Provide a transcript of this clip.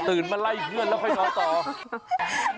มาไล่เพื่อนแล้วค่อยนอนต่อ